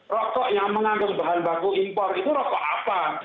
rokok yang mengandung bahan baku impor itu rokok apa